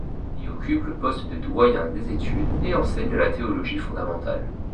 Il y occupe le poste de doyen des études et enseigne la théologie fondamentale.